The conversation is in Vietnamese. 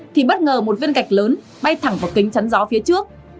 thì bất ngờ một viên gạch lớn bay thẳng vào kính chắn gió phía trước